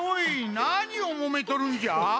なにをもめとるんじゃ？